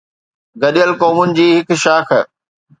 گڏيل قومن جي هڪ شاخ